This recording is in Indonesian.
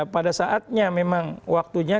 pada saatnya memang waktunya